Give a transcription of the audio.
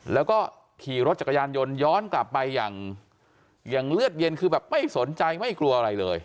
แล้วก็ขี่รถจักรยานยนต์ย้อนกลับไปอย่างเลือดเย็นคือแบบไม่สนใจไม่กลัวอะไรเลย